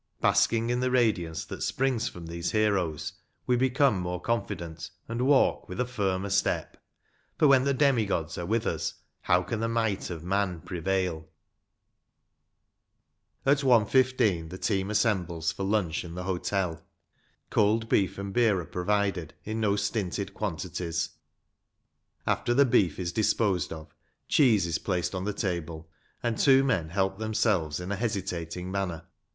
Basking in the radiance that springs from these heroes, we become more confident, and walk with a firmer step ; for when the demi gods are with us, how can the might of man prevail ? At 1. 1 5 the team assembles for lunch in the hotel. Cold beef and beer are provided in no stinted quan tities. After the beef is disposed of, cheese is placed on the table, and two men help themselves in a hesitating manner.